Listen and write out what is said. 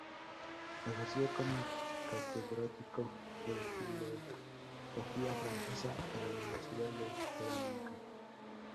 Ejerció como catedrático de Filología francesa de la Universidad de Salamanca.